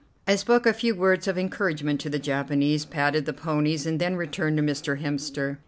I spoke a few words of encouragement to the Japanese, patted the ponies, and then returned to Mr. Hemster.